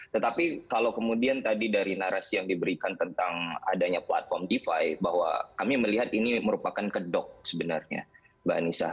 tetapi kalau kemudian tadi dari narasi yang diberikan tentang adanya platform defi bahwa kami melihat ini merupakan kedok sebenarnya mbak anissa